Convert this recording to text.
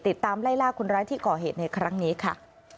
ติดตามไล่ล่าคนร้ายที่ก่อเหตุในครั้งนี้ค่ะ